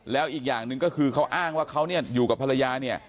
แล้วอีกอย่างหนึ่งก็คือเขาอ้างว่าเขาเนี่ยอยู่กับภรรยาเนี่ย